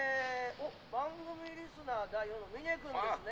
「番組リスナー代表のみね君ですね」